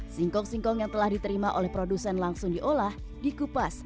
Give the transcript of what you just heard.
singkong singkong yang telah diterima oleh produsen langsung diolah dikupas